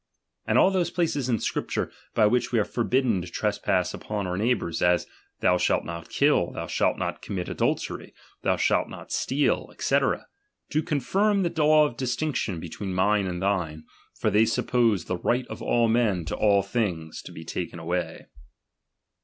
And all those places of Scrip ture by which we are forbidden to trespass upon our neighbours ; as. Thou shall not kill, thou shalt not commit adultery, thou shalt not steal, &c. do confirm the law of distinction between mine and thine; for they suppose the right of all men to all things to be taken away.